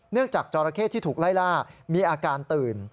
จากจอราเข้ที่ถูกไล่ล่ามีอาการตื่น